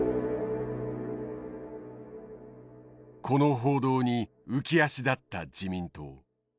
この報道に浮き足だった自民党。